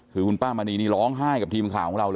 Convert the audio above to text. คือคุณป้ามณีนี่ร้องไห้กับทีมข่าวของเราเลย